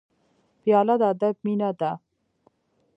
پیاله د ادب مینه ده.